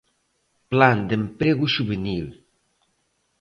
Plan de emprego xuvenil.